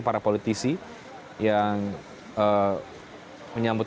siap untuk menyambut